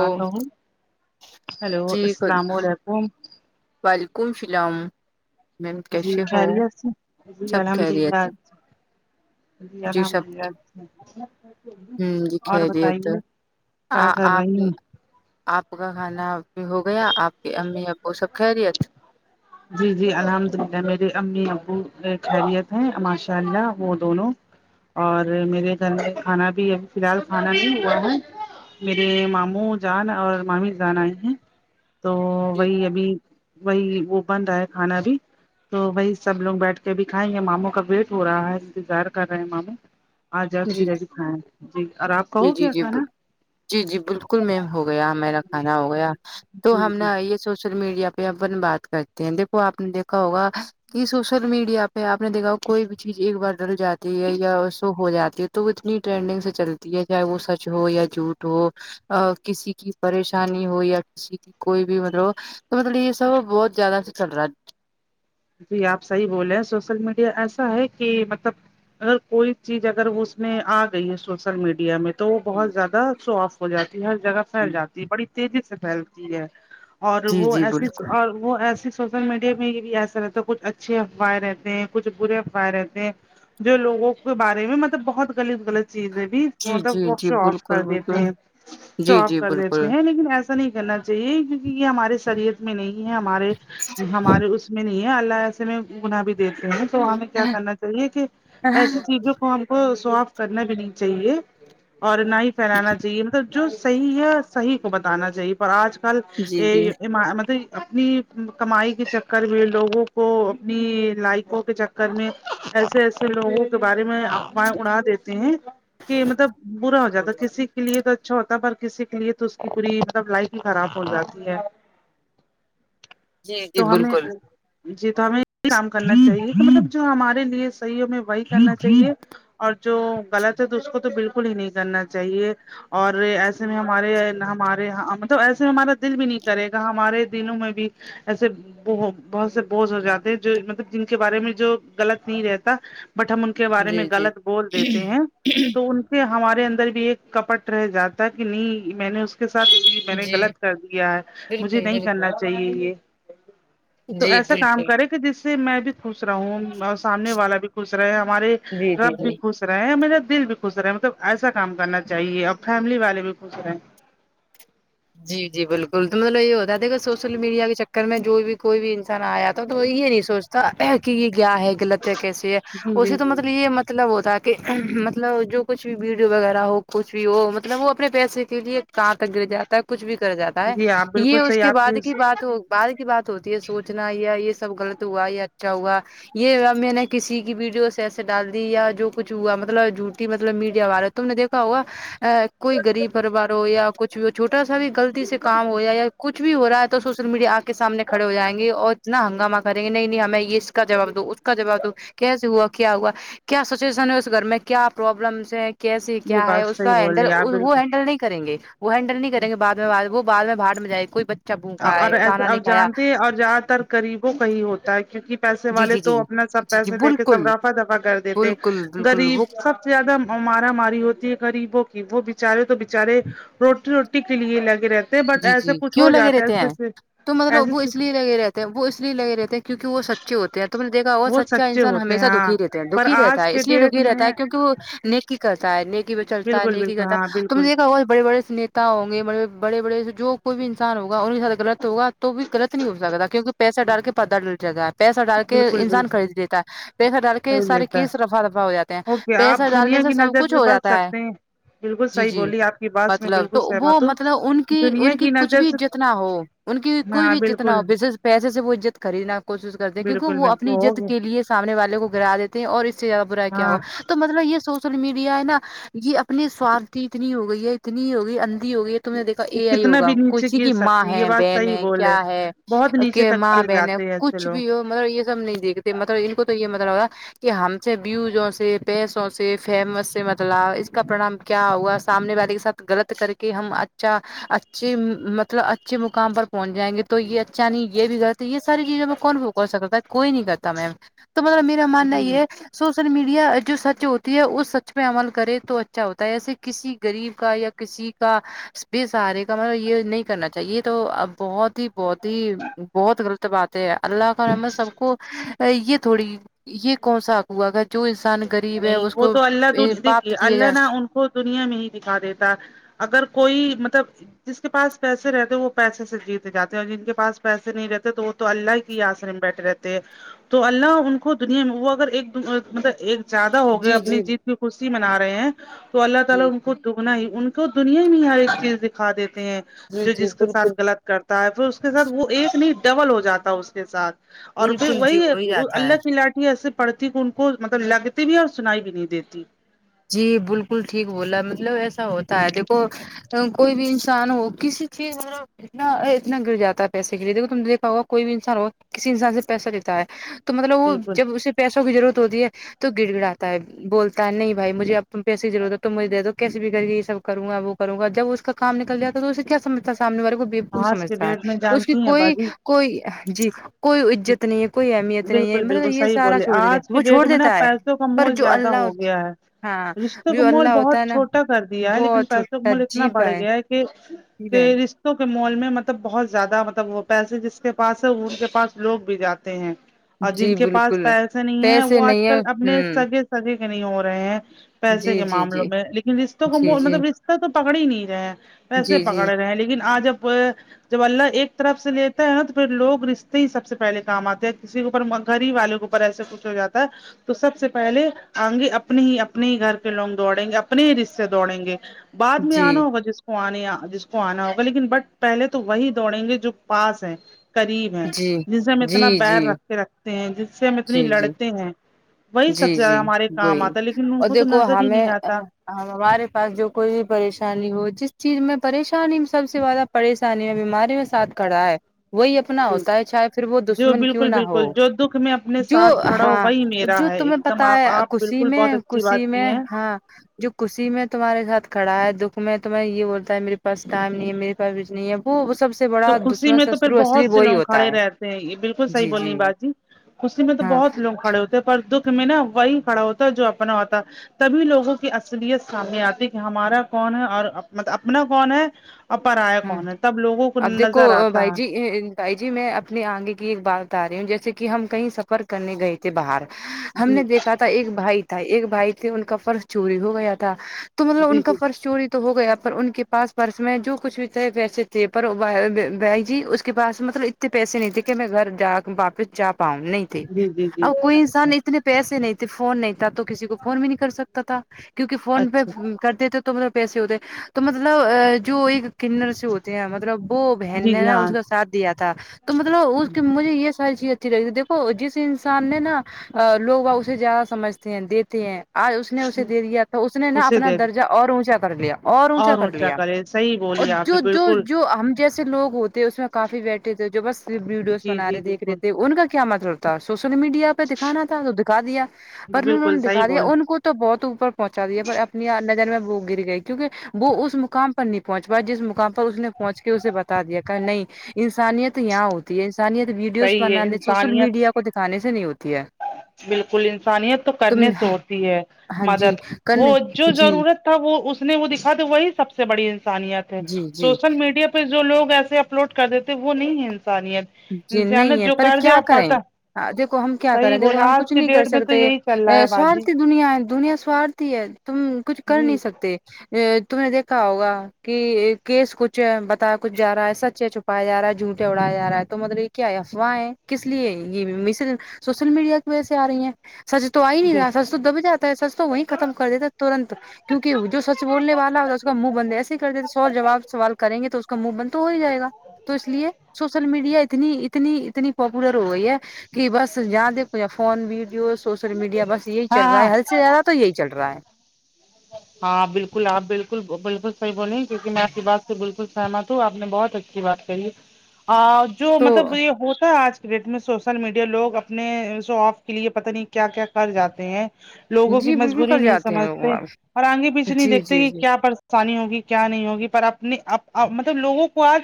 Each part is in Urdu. او ہیلو جی السلام علیکم وعلیکم سلام جی خیریت سے جی سب الحمد للہ خیریت ہے جی الحمد للہ ہوں جی اور خیریت بتائیے آ کیا کر آپ رہی نا ہیں آپ کا کھانا بھی ہوگیا آپ کے امی ابو سب خیریت جی جی الحمداللہ میرے امی ابو خیریت ہیں ماشاءاللہ وہ دونوں اور میرے گھر میں کھانا بھی ابھی فی الحال کھانا ہی ہوا ہے میرے ماموں جان اور مامی جان آئے ہیں تو جی وہی ابھی وہی وہ بن رہا ہے کھانا ابھی تو وہی سب لوگ بیٹھ کے ابھی کھائیں گے ماموں کا ویٹ ہو رہا ہے انتظار کر رہے ہیں ماموں آ جاے تو جی پھر جی کھائیں جی اور آپ کا جی جی ہوگیا جی کھانا جی جی بالکل میم ہو گیا میرا کھانا ہو گیا تو جی ہم جی نا یہ سوشل میڈیا پہ اپن بات کرتے ہیں دیکھو آپ نے دیکھا ہوگا یہ سوشل میڈیا پہ آپ نے دیکھا ہو کوئی بھی چیز ایک بار ڈل جاتی ہے یا شو ہو جاتا یہ تو وہ اتنی ٹرینڈنگ سے چلتی ہے چاہے وہ سچ ہو یا جھوٹ ہو آآ کسی کی پریشانی ہو یا کسی کی کوئی بھی مطلب تو مطلب یہ سب بہت زیادہ سے چل رہا ہے جی آپ صحیح بولے سوشل میڈیا ایسا ہے کہ مطلب اگر کوئی چیز اگر وہ اس میں آگئی ہے سوشل میڈیا میں تو وہ بہت زیادہ شو آف ہو جاتی ہے ہر جگہ پھیل جاتی ہے بڑی تیزی سے پھیلتی ہے اور جی وہ جی ایسی بالکل وہ ایسی سوشل میڈیا میں بھی ایسی رہتے تو کچھ اچھے افواہیں رہتے ہیں کچھ برے افواہیں رہتے ہیں جو لوگوں کے بارے میں مطلب بہت غلط غلط چیزیں بھی جی جی مطلب وہ جی شو آف بالکل کر بالکل دیتے ہیں شو جی آف جی کر دیتے بالکل ہیں لیکن ایسا ایا نہیں کرنا چاہیے کیونکہ یہ ہمارے سریعت میں نہیں ہے ہمارے ہمارے اس میں نہیں ہے اللہ ایسے میں گنا بھی دیتے ہیں تو ہمیں کیا کرنا چاہیے کہ ایسی چیزوں کو ہم کو ساف کرنا بھی نہیں چاہیے اور نہ ہی پھیلانا چاہیے جو صحیح ہے صحیح کو بتانا چاہیے پر آج کل جی جی اے مطلب اپنی کمائی کے کر بھی لوگوں کو اپنی لائقوں کے چکر میں ایسے ایسے لوگوں کے بارے میں اڑا دیتے ہیں کہ مطلب برا ہو جاتا کسی کے لیے تو اچھا ہوتا ہے پر کسی کے لیے تو اس کی پوری مطلب لائف ہی خراب ہو جاتی ہے جی جی تو ہمیں بالکل جی تو ہمیں یہ کام کرنا چاہیے مطلب جو ہمارے لیے صحیح ہمیں وہی کرنا چاہیے اور جو غلط ہے تو اس کو تو بالکل ہی نہیں کرنا چاہیے اور ایسے میں ہمارے ہمارے ہاں مطلب ایسے میں ہمارا دل بھی نہیں کرے گا ہمارے دلوں میں بھی ایسے بہت سے بوج ہو جاتے ہیں جو مطلب جن کے بارے میں جو غلط نہیں رہتا بٹ ہم ان کے بارے میں جی جی غلط بول دیتے ہیں تو ان ہمارے اندر بھی ایک کپٹ رہ جاتا ہے کی نہیں میں نے اس کے ساتھ میں نے جی غلط کر دیا ہے مجھے بالکل نہیں بالکل کرنا چاہیے یے تو جی ایسا کام بالکل کرے کہ جس سے میں بھی خوش رہوں اور سامنے والا بھی خوش رہے ہمارے جی جی رب بھی جی خوش رہے میرا دل بھی خوش رہے مطلب ایسا کام کرنا چاہیے اور فیملی والے بھی خوش رہے ہیں جی جی بالکل تو مطلب یہ ہوتا ہے دیکھو سوشل میڈیا کے چکر میں جو بھی کوئی بھی انسان آیاا تو یہ نہیں سوچتا کہ یہ کیا ہے لگتا کیسی ہے جی جی اسی تو جی مطلب یے ہے مط مطلب ہوتا کہ مطلب جو کچھ بھی ویڈیو وغیرہ ہو کچھ بھی ہو مطلب وہ اپنے پیسے کے لیے کہاں تک گر جاتا ہے کچھ بھی کر جاتا ہے جی آپ یے بالکل اس صحیح کے آپ بعد کی بات ہوگی بہار کی بات ہوتی ہے سوچنا یا یے سب غلط ہوا یا اچھا ہوا یے یا میں نے کسی کی ویڈیو سے ایسے ڈال دی یا جو کچھ ہوا مطلب جھوٹی مطلب میڈیا والے تم نے دیکھا ہوا ا کوئی غریب پریوار ہو یا کچھ بھی ٹا سا بھی غلطی سے کام ہو جائے کچھ بھی ہو رہا ہے تو سوشل میڈیا آپ کے سامنے کڑے ہو جائیں گے اور اتنا ہنگامہ کریں گے نہیں نہیں ہمیں اس کا جواب دو اس کا جواب دو کیسے ہوا کیا ہوا کیا سچویشن ہے اس گھر میں کیا پروابلمس ہیں کیسے یہ کیا ہے بات اس صحیح کا بول ہینڈل رہی ہیں، آپ وہ بالکل ہینڈل نہیں کریں گے وہ ہینڈل نہیں کریں گے بعد میں وہ بعد میں بھڑ میں جائے بچہ بھوکا اور ہے ایسے کھانا نہیں اب کھایا جانتے ہیں اور زیادہ تر غریبوں کا ہی ہوتا ہے کیونکی پیسے جی والے جی جی تو اپنا سب جی جی پیسے دے کے بالکل سب رافہ دفا کر دیتے بالکل بالکل غریب وہ سب سب سے زیادہ مارا ماری ہوتی ہے غریبوں کی وہ بچارے تو بچارے روٹی روٹی کے لیے لگے رہتے ہیں بٹ جی ایسے جی کچھ کیوں ہو لگے جاتا ہے رہتے ہیں ایسے تو مطلب اب وہ ایسے اس لیے لگے رہے تے ہے وہ اس لیے لگے رہ ہیں کیکی وہ سچے ہوتے ہیں تم دیکھا ہوگا وہ سچا سچے انسان ہوتے ہیں ہمیشہ ہاں دکھی رہتے ہے پر دکھی رہتا آج ہے کے اس لیے ڈیٹ دکھی رہتا ہے میں کیونکہ وہ نیک کی کرتا ہے نیکی پے چلتا ہے بالکل نیکی بالکل کرتا ہاں ہے تم نے بالکل دیکھا ہوگا بڑے بڑے نیتا ہوں گے بڑے بڑے بڑے جو کوئی بھی انسان ہوگا انہیں زیادہ غلط ہوگا تو بھی غلط نہیں ہو سکتا کیونکی پیسہ ڈال کے بدل دے گا پیسہ ڈال کے بالکل انسان بالکل خرید لیتا ہے پیسہ ڈال کے صحیح سارے لیتا ہے کیس رفع دفع ہو جاتے ہیں اوکے آپ پیسہ ڈالنے دنیا سے کی سب نظر کچھ سے ہو بچ جاتا ہے سکتے ہیں بالکل جی صحیح جی بولی آپ کی بات سے میں مطلب بالکل تو وہ سہمت مطلب مطلب ان ہوں کی دنیا ان کی کچھ نظر بھی سے عزت نہ ہو ان کی کوئی ہاں بھی عزت نہ بالکل ہو پیسے سے پیسے سے وہ عزت خریدنے کی کوشش کرتے ہیں کیونکی بالکل وہ بالکل اپنی عزت ہوگے لیے سامنے والے کو گرا دیتے اور اس سے زیادہ برا کیا ہاں ہوا تو مطلب یے سوشل میڈیا ہے نا یے اپنے سوارتھی اتنی ہوگی گئی ہے اتنی ہوگئی اندھی ہوئی ہے تم میں نے دیکھ کہ یہی کتنا ہوگا بھی نیچے کچھ ہی گر کی ماں سکتی یہ ہے بات بہن صحیح ہے بول کیا ہے بہت نیچے کہ تک ماں گر بہن ہے جاتے ہیں ایسے کچھ لوگ بھی ہو مطلب یے سب نہیں دیکھتے مطلب ان کو تو یے مطلب ہوگا کہ ہم سے بیوجوں سے پیسوں سے فیمس سے مطلب اس کا پرانام کیا ہوا سامنے والے کے ساتھ غلط کر کے ہم اچھا اچھے مطلب اچھے مقام پر پہنچ جائیں گے تو یے اچھا نہیں یے بھی غلط ہے یے ساری چیزیں میں کون سکتا ہے کوئی نہیں کرتا میم تو مگر میرا ماننا جی یے ہے سوشل میڈیا جو سچ ہوتی ہے اس سچ پے عمل کرے تو اچھا ہوتا ہے جسے کسی غریب کا یا کسی کا بے سہارے کا مطب یے نہیں کرنا اچھا یے تو اب بہت ہی بہت ہی بہت غلط بات ہے اللہ کا رحمت سب کو یے تھوڑی یے کون سا ہوا اگا جو انسان غریب ہے نہیں اس وہ کو تو اللہ [unintelligible] پاپ دیکھیے دیا اللہ جائے نہ ان کو دنیا میں ہی دیکھا دیتا اگر کوئی مطلب جس کے پاس پیسے رہتے ہیں وہ پیسے سے جیت جاتے ہیں اور جن کے پاس پیسے نہیں رہتے تو وہ تو اللہ کے آسرے میں بیٹھے رہتے ہیں تو اللہ ان کو دنیا میں وہ اگر ایک مطلب ایک زیادہ ہوگئے جی اپنی جی جیت کی خوشی منا رہے ہیں تو اللہ تعالی جی ان کو دکھ ہی ان کو دنیا میں ہی ہر ایک چیز دکھا دیتے ہیں جی جو جی جس کے ساتھ بالکل غلط کرتا ہے پھر اس کے ساتھ وہ ایک نہیں ڈبل ہو جاتا اس کے ساتھ اور پھر بالکل جی وہی ہو ہی جاتا ہے اللہ کی لا ایسے پڑتی ان کو مطلب لگتی بھی اور سنائی بھی نہیں دیتی جی بلکل ٹھیک بولا مطلب ایسا ہوتا ہے دیکھو کوئی بھی انسان ہو کسی چیز اتنا اتنا گر جاتا ہے پیسے کے لیے دیکھو تم نے دیکھا ہوگا کوئی بھی انسان ہوگا کسی انسان سے پیسہ لیتا ہے تو مطلب وہ بالکل جب اسے پیسوں کی ضرورت ہوتی ہے تو گڑ گڑاتا ہے بولتا ہے نہیں بھائی مجھے اب تم پیسے کی ضرورت ہے تو مجھے دو کیسی بھی کرکے یہ سب کروں گا وہ کروں گا جب اسکا کام نکل جاتا ہے تو اسے کیاسمجھتاہے سامنے والے کو بےوقوف آج کے سمجھتا ہے ڈیٹ میں اس کی جانتی ہیں کوئی باجی کوئی جی کوئی عزت نہیں ہے کوئی اہمیت نہیں ہے بالکل مطلب بالکل یہ صحیح سارا بولے چھوڑ دیتا آج ہے کے وہ ڈیٹ چھوڑ میں نا دیتا ہے پیسوں کا پر مول جو زیادہ اللہ ہو گیا ہاں ہے رشتوں کا جو اللہ مول ہوتا ہے بہت نا چھوٹا کر دیا ہے لیکن بہت پیسوں کا چھوٹا مول اتنا جی بڑھ بھائی گیا ہے کہ جی کہ بہن رش کے مال میں مطلب بہت زیادہ مطلب وہ پیسے جس کے پاس ہے ان کے پاس لوگ بھی جاتے ہیں اور جن جی کے پاس بالکل پیسے نہیں ہیں پیسے وہ آج نہیں ہے کل اپنے ہوں سگے سگے کے نہیں ہو رہے ہیں پیسے جی کے جی معاملوں جی میں لیکن رشتوں کو جی جی مطلب ر تو پکڑ ہی نہیں رہے ہیں ویسے جی جی پکڑے رہے ہیں لیکن آج اب جب اللہ ایک طرف سے لیتا ہے نا تو پھر لوگ رشتے ہی سب سے پہلے کام آتے ہے کسی کے اوپر گھر ہی والے کے اوپر ایسا کچھ ہو جاتا ہے تو سب سے پہلے آگے اپنے ہی اپنے ہی گھر کے لوگ دوڑیں گے اپنے ہی رشتے دوڑیں گے بعد میں آنا جی ہوا جس کو آنے جس کو آنا ہوگا لیکن بٹ پہلے تو وہی دوڑیں گے جو پاس ہے قریب ہے جی جن سے ہم جی اتنا بیر جی رکھ کے رکھتے ہیں جس سے ہم اتنی جی جی لڑتے ہیں وہی سب جی سے زیادہ جی ہمارے کام وہی آتا ہے لیکن ان اور کو تو دیکھو نظر ہی ہمیں نہیں آتا ہمارے پاس جو کوئی بھی پریشانی ہو جس چیز میں پریشانی میں سب سے زیادہ پریشانی میں بیماری میں ساتھ کھڑا ہے وہی اپنا ہوتا ہے چاہے پھر وہ جو دشمن کیوں بالکل نہ ہو بالکل جو دکھ میں اپنے جو ساتھ کھڑا ہو ہاں وہی میرا جو ہے تمہیں ایک دم پتا آپ ہے آپ خوسی بالکل میں بہت اچھی خوسی بات میں کی ہیں ہاں جو خوشی میں تمہارے ساتھ کھڑا ہے دکھ میں تمہیں یہ بتا ہے میرے پاس ٹائم نہیں ہے میرے بھی نہیں ہے وہ سب سے تو بڑا خوشی دشمن میں تو پھر شترو بہت اصلی سے وہی لوگ ہوتا کھڑے ہے رہتے ہیں یہ بلکل صحیح بول رہ با جی خوشی میں تو ہاں بہت لوگ کھڑے ہوتے ہیں پر دکھ میں نا وہی کھڑا ہوتا ہے جو اپنا ہوتا تبھی لوگوں کی اصلیت سامنے آتی کہ ہمارا کون ہے اور مطب اپنا کون ہے اپر آ ہے ہاں کون ہے تب لوگو اب دیکھو بھائی جی بھائی جی میں اپنے آگے کی ایک بات بتا رہی ہوں جیسے کہ ہم کہیں سفر کرنے گئے تھے باہر ہم جی نے دیکھا تھا ایک بھائی تھا ایک بھائی تھے ان کا پرس چوری ہو گیا تھا تو مطلب ان جی کا جی پرس چوری تو ہو گیا پر ان کے پاس پرس میں جو کچھ بھی پیسےجیسے تھے پر بہن جی اس کے پاس مطلب اتنے پیسے نہیں تھے کہ میں گھر جا واپس جا پؤ نہیں تھ جی جی جی آ کوئی انسان اچھا اتنے پیسے نہیں تھے فون نہیں تھا تو کسی کو فون بھی نہیں کر سکتا تھا کیونکہ فون پہ اچھا کرتے تھے تو مطلب پیسے ہوتے تو مطلب جو ایک کنر سے ہوتی ہیں مطلب وہ بہن جی نے جی نا اس ہاں کا ساتھ دیا تھا تو مطلب اس کی مجھے یہ ساری چیزیں دیکھو جس انسان نے نا لوگوں زیادہ سمجھتے ہے آج اس نے اسے دے دیا تھا اس نے نا اسے اپنا دے درجہ اور اونچا کر لیا اور اونچا کر لیا صیح جو جو جو ہم جیسے لوگ ہوتے اس میں کافی بیٹھے تھے جو بس ویڈیوز جی بنا جی رہے دیکھرے بالکل تھے ان کا کیا مطلب تھا سوشل میڈیا پہ دکھانا تھا تو دکھا دیا پر انہوں بالکل نے صحیح دکھا دیا بول ان کو تو بہت اوپر پہنچا دیا پر اپنی نظر میں وہ گر گئی کیونکہ وہ اس مقام پر پہنچو جس مقام پر اس نے پہنچ کے اسے بتا دیا کہ نہیں انسانیت یہاں تی انسانیت ویڈیوز صحیح ہے بنانے سوشل انسانیت میڈیا کو دکھانے سے نہیں ہوتی ہے بالکل انسانیت تو تم کرنے سے ہوتی ہے ہاں جی مدد کل وہ جو جی ضرورت تھا وہ اس نے وہ دکھا تھا وہی سب سے بڑی انسانیت ہے جی جی سوشل میڈیا پے جو لوگ ایسے اپلوڈ کر دیتے وہ نہیں ہے انسانیت انسانیت جو کر د آ پا ہا دیکو ہم کیا کریں دیکھو ہم کچھ نہیں کر ڈیٹ میں تو سکتے یہی چل ا رہا ہے باجی سوارھی دنیا ہے دنیا سوارتھی ہے تم کچھ کر جی نہیں سکتے یہ تم نے دیکھا ہوگا کہ کیس کچھ ہے بتا کچھ جا رہا ہے سچ ہے چپ پایا جارا جھوٹ اوڑا جا را تو مگر یہ کیا افواہ ہے کس لیے یہ [unintelligible] سوشل میڈیا کی وجہ سے آ رہی ہیں سچ تو آ ہی نہیں جی رہا سچ تو دب جاتا ہے سچ تو وہیں ختم کر دیتا ترنت کیونک جو سچ بولنے والا ہو اس کا منہ بند ایسے ہی کر دیتے س جواب سوال کریں گے تو اس کا منہ بند تو ہو ہی جائے گا تو اس لیے سوشل میڈیا اتنی اتنی اتنی پاپولر ہو گئی ہے کہ بس جہاں دیکھو فون ویڈیوز سوشل میڈیا بس یہی چل ہاں رہا ہاں ہے حد سے زیادہ تو یہی چل رہا ہے ہاں بالکل آپ بالکل بالکل صحیح بولیں کیونکہ میں آپ کی بات سے بالکل سہمت ہوں آپ نے بہت اچھا کی بات کریے آ جو تو مطلب یہ ہوتا آج ڈیٹ میں سوشل میڈیا لوگ اپنےشوووفف کے لیے پتہ نہیں کیا کیا کر جاتے ہیں لوگوں کی جی بالکل مجبوری کر نہیں جاتے ہیں سمجھتے لوگ اور آگے پیچھ نہیں جی جی جی دیکھتے آسانی ہوگی کیا نہیں ہوگی پر اپنی مطلب لوگوں کو آج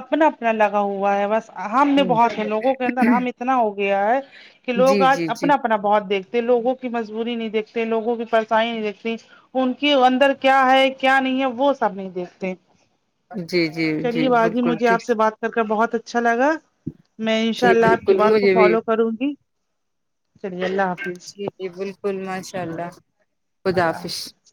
اپنا اپنا لگا ہوا ہے بس ہم نے جی بہت ہے لوگوں کے اندر ہم اتنا ہو گیا ہے کہ لوگ جی آج جی اپنا اپنا بہت دیکھتے لوگوں کی مجبوری نہیں دیکھتے لوگوں کی پرسانی نہیں دیکتے ان کے اندر کیا ہے کیا نہیں ہے وہ سب نہیں دیکھتے جی جی چلیے جی باجی بالکل مجھے آپ ٹھیک سے بات کر کر بہت اچھا لگا میں انشاء جی اللہ آپ کی بالکل بات کو مجھے بھی فالو کروں گی چلیے اللہ حافظ ج بالکل ماشاء اللہ اللہ حافظ